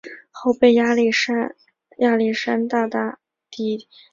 后被亚历山大大帝占领。